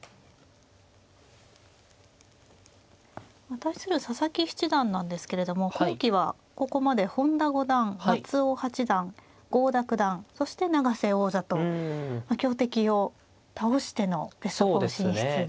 対する佐々木七段なんですけれども今期はここまで本田五段松尾八段郷田九段そして永瀬王座と強敵を倒してのベスト４進出ですね。